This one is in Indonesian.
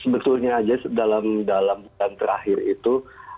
sebetulnya aja dalam dalam dan terakhir itu